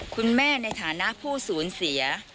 คุณแม่ในฐานะผู้ศูนย์เสีย